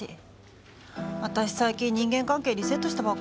私最近人間関係リセットしたばっかりなんだよね。